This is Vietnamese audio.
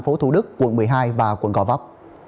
bình tân tp thủ đức quận một mươi hai và quận gò vấp